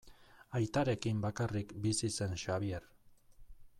Aitarekin bakarrik bizi zen Xabier.